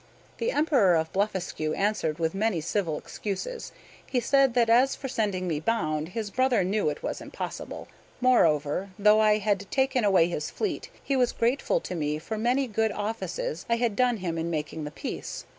The Emperor of Blefuscu answered with many civil excuses. He said that as for sending me bound, his brother knew it was impossible. Moreover, though I had taken away his fleet he was grateful to me for many good offices I had done him in making the peace.